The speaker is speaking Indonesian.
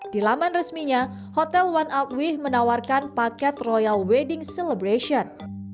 di laman resminya hotel one outweeh menawarkan paket royal wedding celebration